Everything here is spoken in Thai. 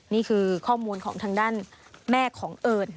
นี่คือข้อมูลของทางด้านแม่ของเอิญ